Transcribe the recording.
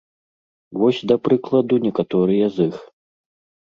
Вось, да прыкладу, некаторыя з іх.